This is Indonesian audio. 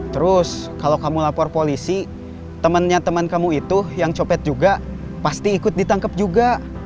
terus kalau kamu lapor polisi temannya teman kamu itu yang copet juga pasti ikut ditangkap juga